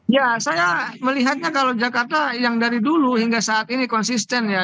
ya saya melihatnya kalau jakarta yang dari dulu hingga saat ini konsisten ya